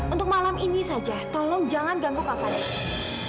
untuk malam ini saja tolong jangan ganggu kak fadil